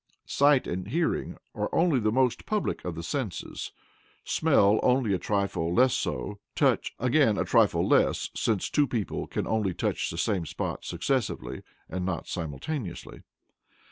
Sight and hearing are the most public of the senses; smell only a trifle less so; touch, again, a trifle less, since two people can only touch the same spot successively, not simultaneously.